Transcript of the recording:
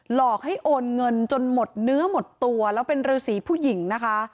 หลอกให้โอนเงินจนหมดเนื้อหมดตัวแล้วเป็นฤษีผู้หญิงนะคะ